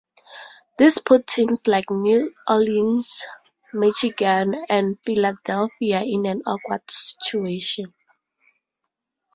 This put teams like New Orleans, Michigan, and Philadelphia in an awkward situation.